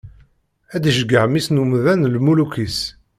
Ad d-iceggeɛ mmi-s n umdan lmuluk-is.